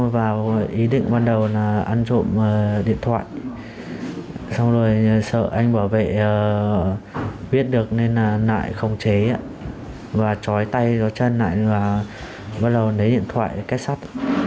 và bắt đầu lấy điện thoại cách sát